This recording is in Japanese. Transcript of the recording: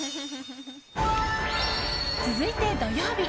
続いて土曜日。